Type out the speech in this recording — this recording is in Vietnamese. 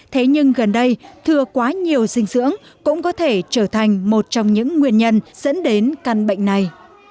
thế nhưng gần đây thừa quá nhiều dinh dưỡng cũng có thể trở thành một trong những nguyên nhân dẫn đến căn bệnh này